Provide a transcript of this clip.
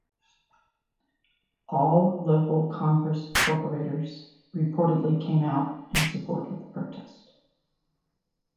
All local Congress Corporators reportedly came out in support of the protest.